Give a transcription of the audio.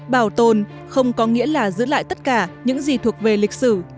bảo tồn không có nghĩa là giữ lại tất cả những gì thuộc về lịch sử